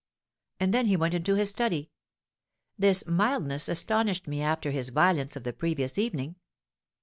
And then he went into his study. This mildness astonished me after his violence of the previous evening.